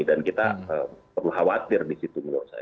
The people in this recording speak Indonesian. dan kita perlu khawatir di situ